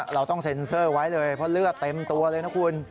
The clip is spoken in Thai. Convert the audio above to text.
เราต้องเซ็นเซอร์ไว้เลยเพราะเลือดเต็มตัวเลยนะคุณ